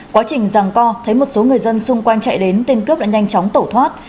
quá trình ràng co thấy một số người dân xung quanh chạy đến tên cướp đã nhanh chóng tẩu thoát